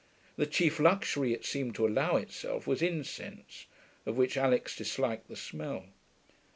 The chief luxury it seemed to allow itself was incense, of which Alix disliked the smell.